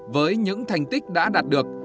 với những thành tích đã đạt được